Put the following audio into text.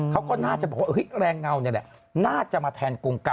เขาก็น่าจะบอกวน่าจะมาแทนกรงกรรม